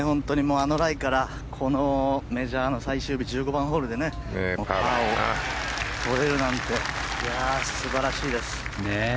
あのライからこのメジャーの最終日１５番ホールでパーを取れるなんて素晴らしいです。